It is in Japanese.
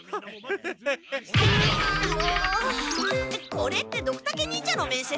これってドクタケ忍者の面接？